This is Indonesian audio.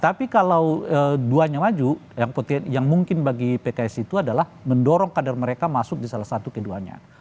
tapi kalau duanya maju yang mungkin bagi pks itu adalah mendorong kader mereka masuk di salah satu keduanya